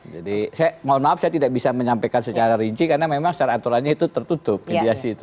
jadi saya mohon maaf saya tidak bisa menyampaikan secara rinci karena memang secara aturannya itu tertutup mediasi itu